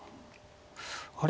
あれ？